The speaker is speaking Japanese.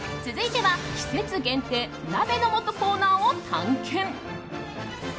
続いては季節限定、鍋の素コーナーを探検。